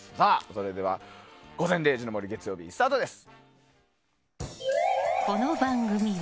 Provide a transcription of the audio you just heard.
それでは「午前０時の森」月曜日スタートです。